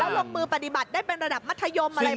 ลงมือปฏิบัติได้เป็นระดับมัธยมอะไร